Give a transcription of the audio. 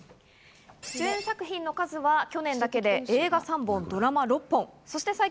出演作品の数は去年だけで映画３本、ドラマ６本。